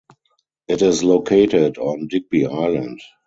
It is located on Digby Island.